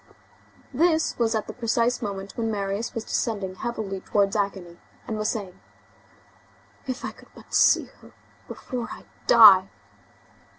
This was at the precise moment when Marius was descending heavily towards agony, and was saying: "If I could but see her before I die!"